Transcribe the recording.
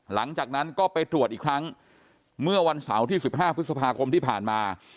หลังจากนั้นก็ไปตรวจอีกครั้งเมื่อวันเสาร์ที่๑๕พฤษภาคมที่ผ่านมา